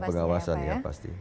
ya pengawasannya pasti